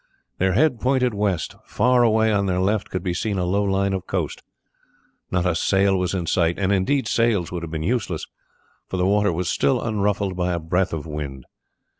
Their head pointed west; far away on their left could be seen a low line of coast. Not a sail was in sight, and indeed sails would have been useless, for the water was still unruffled by a breath of wind.